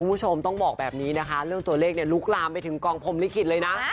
คุณผู้ชมต้องบอกแบบนี้นะคะเรื่องตัวเลขเนี่ยลุกลามไปถึงกองพรมลิขิตเลยนะ